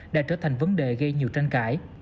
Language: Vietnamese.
đã trở thành vấn đề gây nhiều tranh cãi